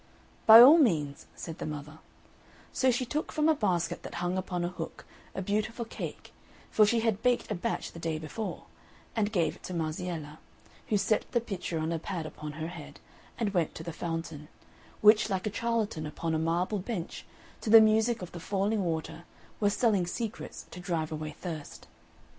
"By all means," said the mother; so she took from a basket that hung upon a hook a beautiful cake (for she had baked a batch the day before), and gave it to Marziella, who set the pitcher on a pad upon her head, and went to the fountain, which like a charlatan upon a marble bench, to the music of the falling water, was selling secrets to drive away thirst.